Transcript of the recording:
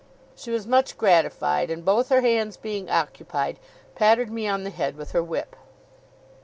She was much gratified; and both her hands being occupied, patted me on the head with her whip.